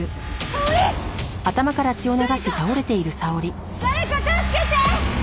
誰か誰か助けて！